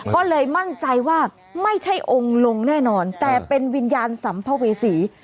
ก็เลยมั่นใจว่าไม่ใช่องค์ลงแน่นอนแต่เป็นวิญญาณสัมภเวษี